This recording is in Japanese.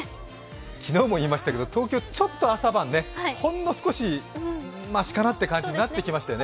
昨日も言いましたけど、東京ちょっと朝晩ほんの少しましかなっていう感じになってきましたよね。